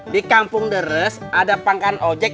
di kampung deres ada pangkakan ojek